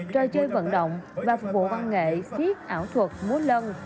trò chơi vận động và phục vụ văn nghệ viết ảo thuật múa lân